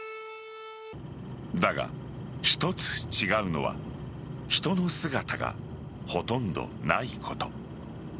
だが、一つ違うのは人の姿がほとんどないこと。